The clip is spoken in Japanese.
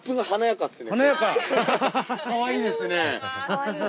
かわいいですね。